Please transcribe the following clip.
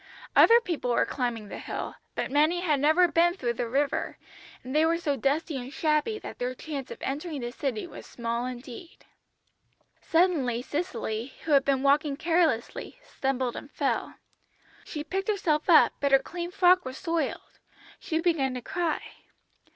"Other people were climbing the hill, but many had never been through the river, and they were so dusty and shabby that their chance of entering the city was small indeed. Suddenly Cicely, who had been walking carelessly, stumbled and fell. She picked herself up, but her clean frock was soiled. She began to cry.